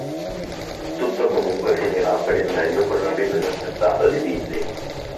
Tutto comunque finirà per il meglio con l'arrivo inaspettato di Billy.